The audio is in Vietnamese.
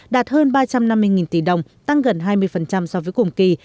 đạt hơn ba trăm năm mươi tỷ đồng tăng gần hai mươi so với cùng kỳ